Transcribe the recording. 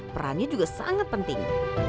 perannya juga sangat penting